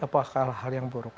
apa hal hal yang buruk